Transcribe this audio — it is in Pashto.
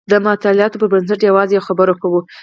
د مطالعاتو پر بنسټ یوازې یوه خبره کوو.